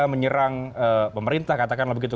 menyerang pemerintah katakanlah begitu